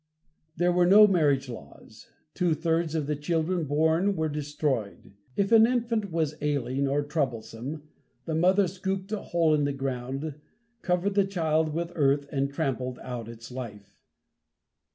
There were no marriage laws. Two thirds of the children born were destroyed. If an infant was ailing or troublesome, the mother scooped a hole in the ground, covered the child with earth and trampled out its life.